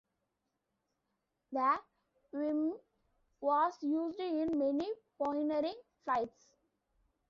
The Vimy was used in many pioneering flights.